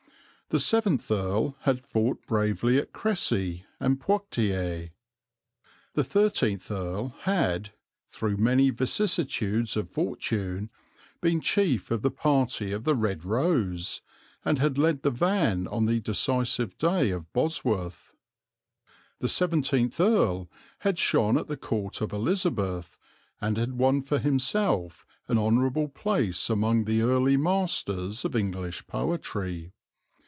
The seventh Earl had fought bravely at Cressy and Poictiers. The thirteenth Earl had, through many vicissitudes of fortune, been chief of the party of the Red Rose, and had led the van on the decisive day of Bosworth. The seventeenth Earl had shone at the Court of Elizabeth, and had won for himself an honourable place among the early masters of English poetry.